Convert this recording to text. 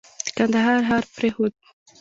د کندهار ښار پرېښود.